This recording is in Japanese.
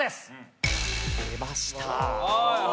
出ました。